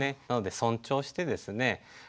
なので尊重してですね